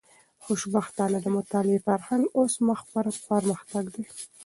خوشبختانه، د مطالعې فرهنګ اوس مخ پر پرمختګ دی.